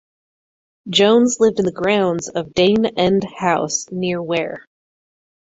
Jones lived in the grounds of Dane End House near Ware.